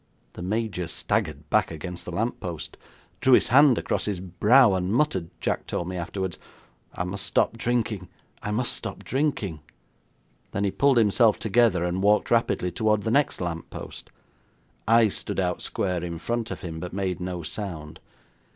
The Major staggered back against the lamp post, drew his hand across his brow, and muttered, Jack told me afterwards: 'I must stop drinking! I must stop drinking!' Then he pulled himself together, and walked rapidly towards the next lamp post. I stood out square in front of him, but made no sound.